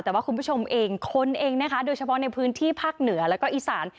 แต่ว่าคุณผู้ชมเองคนเองนะคะโดยเฉพาะในพื้นที่ภาคเหนือแล้วก็อีสาน